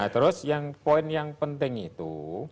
terus yang poin yang penting itu